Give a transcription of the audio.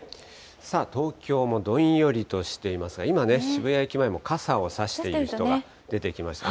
東京もどんよりとしていますが、今ね、渋谷駅前も傘を差している人が出てきました。